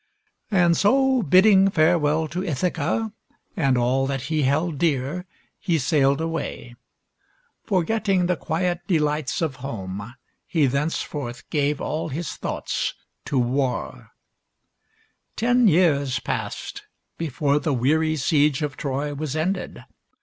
And so, bidding farewell to Ithaca and all that he held dear, he sailed away. Forgetting the quiet delights of home, he thenceforth gave all his thoughts to war. 157 158 THIRTY MORE FAMOUS STORIES Ten years passed before the weary siege of Troy was ended.